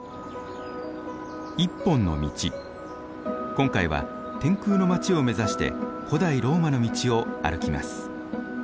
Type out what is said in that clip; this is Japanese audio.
今回は天空の街を目指して古代ローマの道を歩きます。